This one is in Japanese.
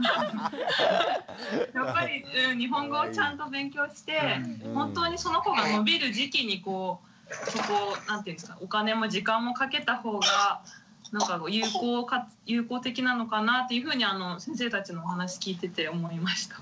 やっぱり日本語をちゃんと勉強して本当にその子が伸びる時期にお金も時間もかけた方が有効的なのかなっていうふうに先生たちのお話聞いてて思いました。